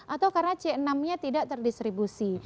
atau karena c enam nya tidak terdistribusi